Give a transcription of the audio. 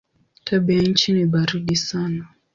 Tabianchi ni baridi sana.